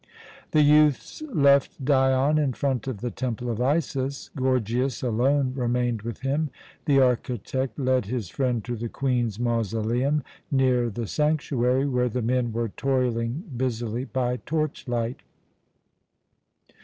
The youths left Dion in front of the Temple of Isis. Gorgias alone remained with him. The architect led his friend to the Queen's mausoleum near the sanctuary, where men were toiling busily by torchlight.